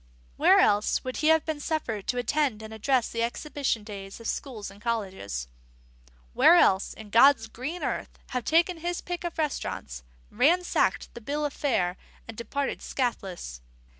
Where else would he have been suffered to attend and address the exhibition days of schools and colleges? where else, in God's green earth, have taken his pick of restaurants, ransacked the bill of fare, and departed scathless?